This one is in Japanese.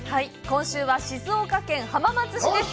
今週は静岡県浜松市です。